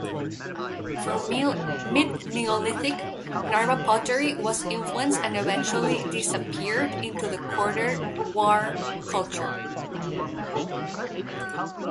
From mid-Neolithic Narva pottery was influenced and eventually disappeared into the Corded Ware culture.